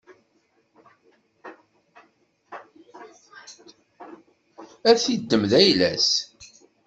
Ad t-iddem d ayla-s.